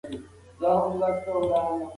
ټولنپوهنه لرو.